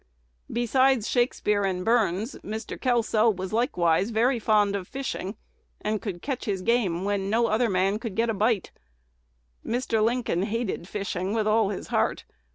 Besides Shakspeare and Burns, Mr. Kelso was likewise very fond of fishing, and could catch his game "when no other man could get a bite." Mr. Lincoln hated fishing with all his heart.